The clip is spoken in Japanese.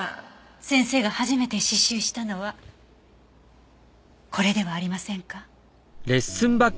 先生が初めて刺繍したのはこれではありませんか？